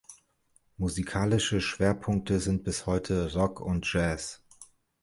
Musikalische Schwerpunkte sind bis heute Rock und Jazz.